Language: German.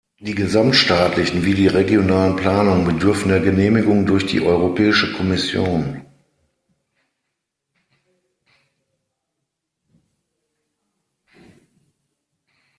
Die gesamtstaatlichen wie die regionalen Planungen bedürfen der Genehmigung durch die Europäische Kommission.